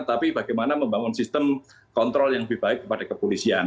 tapi bagaimana membangun sistem kontrol yang lebih baik kepada kepolisian